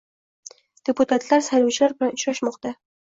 Deputatlar saylovchilar bilan uchrashmoqda